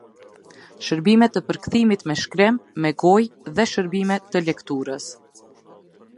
Shërbime të përkthimit me shkrim, me gojë & shërbime të lekturës